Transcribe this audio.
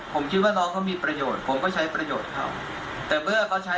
ผมคิดว่าน้องเขามีประโยชน์ผมก็ใช้ประโยชน์เขา